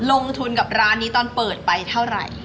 ลงทุนกับร้านนี้ตอนเปิดไปเท่าไหร่